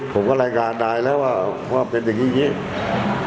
ผมก็รายการได้แล้วว่าเป็นอย่างนี้อย่างนี้